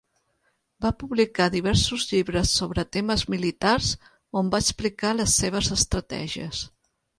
Va publicar diversos llibres sobre temes militars on va explicar les seves estratègies.